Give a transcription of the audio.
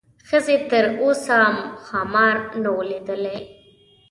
ښځې تر اوسه ښامار نه و لیدلی.